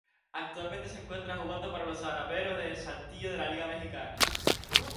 Actualmente se encuentra jugando para los Saraperos de Saltillo de la Liga Mexicana.